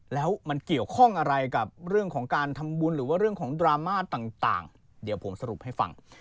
แล้วมันเกี่ยวข้องอะไรกับเรื่องของการทำบุญหรือว่าเรื่องของดราม่าต่างเดี๋ยวผมสรุปให้ฟัง